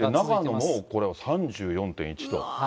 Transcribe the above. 長野もこれ３４．１度。